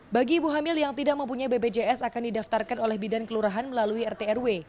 bagi ibu hamil yang tidak mempunyai bpjs akan didaftarkan oleh bidan kelurahan melalui rt rw